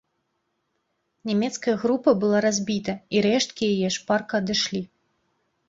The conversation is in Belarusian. Нямецкая група была разбіта, і рэшткі яе шпарка адышлі.